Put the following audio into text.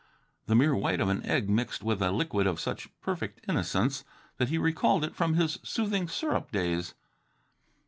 The mere white of an egg mixed with a liquid of such perfect innocence that he recalled it from his soothing syrup days.